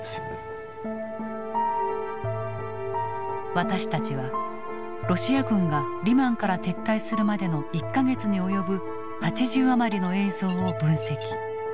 私たちはロシア軍がリマンから撤退するまでの１か月に及ぶ８０余りの映像を分析。